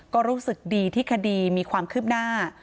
ก็รู้สึกดีที่คดีมีความคืบหน้า